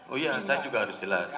oh iya saya juga harus jelas